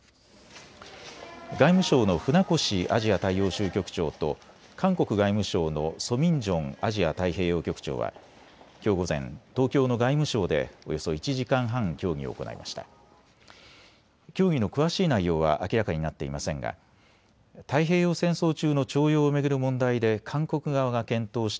外務省の船越アジア大洋州局長と韓国外務省のソ・ミンジョンアジア太平洋局長はきょう午前、東京の外務省でおよそ１時間半、協議を行いました。